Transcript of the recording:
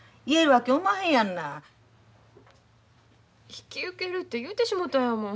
引き受けるて言うてしもたんやもん。